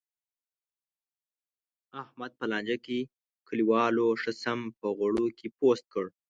احمد په لانجه کې، کلیوالو ښه سم په غوړو کې پوست کړ.